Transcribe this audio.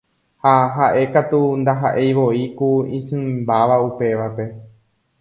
Ha ha'e katu ndaha'eivoi ku isỹimbáva upévape.